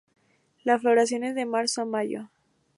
La floración es de marzo a mayo.